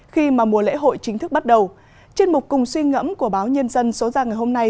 khi mà mùa lễ hội chính thức bắt đầu trên mục cùng suy ngẫm của báo nhân dân số ra ngày hôm nay